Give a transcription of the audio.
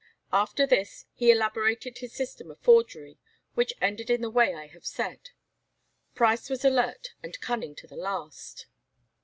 After this he elaborated his system of forgery, which ended in the way I have said. Price was alert and cunning to the last.